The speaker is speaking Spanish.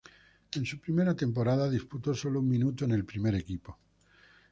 En su primera temporada disputó sólo un minuto en el primer equipo.